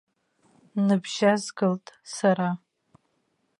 Ныбжьазгалт сара.